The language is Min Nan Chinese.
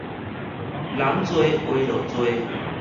人濟話著濟